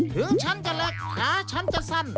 ถึงฉันจะเล็กชายช้าจะสั่ง